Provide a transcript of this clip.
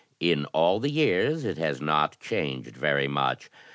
In all the years it has not changed very much.